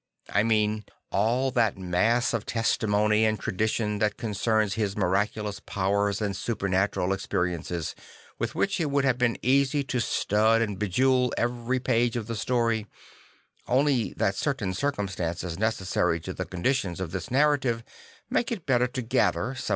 I mean all that mass of testimony and tradition that concerns his miraculous powers and supernatural experiences, with which it would have been easy to stud and bejewel every page of the story; only that certain circumstances necessary to the conditions of this narration make it better to gather, some.